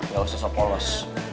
ya usah polos